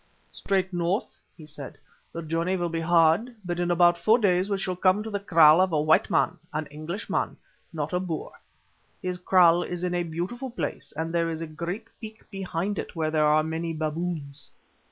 "Straight north," he said. "The journey will be hard, but in about four days we shall come to the kraal of a white man, an Englishman, not a Boer. His kraal is in a beautiful place, and there is a great peak behind it where there are many baboons."